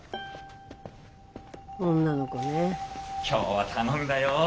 今日は頼んだよ。